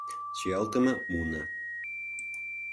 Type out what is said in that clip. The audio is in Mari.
Чиялтыме муно.